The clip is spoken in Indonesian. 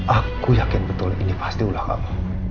aku yakin betul ini pasti ulah kamu